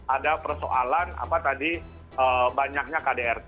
ada persoalan apa tadi banyaknya kdrt